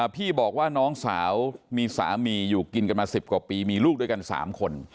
พี่บอกว่าน้องสาวมีสามีอยู่กินกันมา๑๐กว่าปีมีลูกด้วยกัน๓คน